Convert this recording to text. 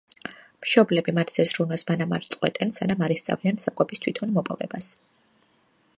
მშობლები მათზე ზრუნვას მანამ არ წყვეტენ, სანამ არ ისწავლიან საკვების თვითონ მოპოვებას.